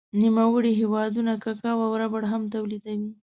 نوموړی هېوادونه کاکاو او ربړ هم تولیدوي.